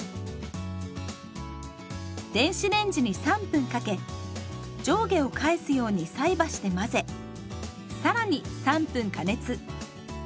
電子レンジに３分かけ上下を返すように菜箸で混ぜ更に３分加熱。